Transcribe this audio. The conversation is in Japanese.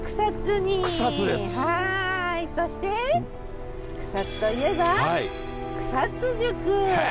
そして草津といえば草津宿。